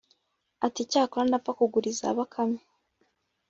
ati: ‘cyakora ndapfa kugura iza bakame.’